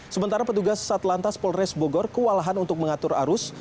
sementara petugas satlantas polres bogor kewalahan untuk mengatur arus